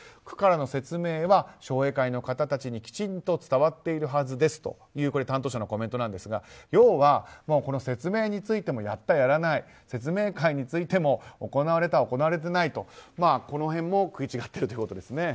区からの説明は商栄会の方たちにきちんと伝わっているはずですと担当者のコメントですが要はこの説明についてもやった、やらない説明会についても行われた、行われていないとこの辺も食い違っているということです。